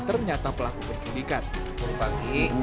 ternyata pelaku penculikan